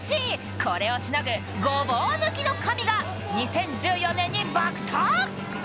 これをしのぐごぼう抜きの神が２０１４年に爆誕！